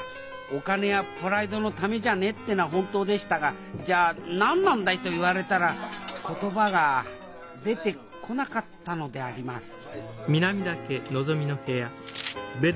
お金やプライドのためじゃねえってのは本当でしたが「じゃあ何なんだい」と言われたら言葉が出てこなかったのであります